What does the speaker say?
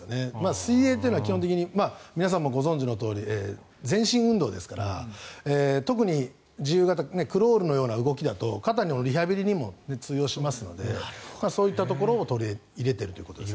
水泳というのは基本的に皆さんもご存じのように全身運動ですから、特に自由形クロールのような動きだと肩のリハビリにも通用しますのでそういったところを取り入れているということです。